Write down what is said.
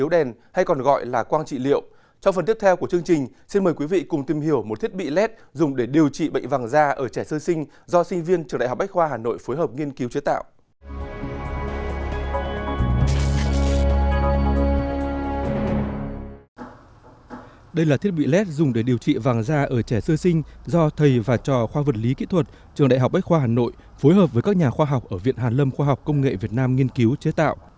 đây là thiết bị led dùng để điều trị bệnh vàng da ở trẻ sơ sinh do sinh viên trường đại học bách khoa hà nội phối hợp nghiên cứu chế tạo